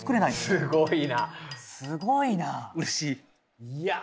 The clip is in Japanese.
すごいなすごいな嬉しいいやあ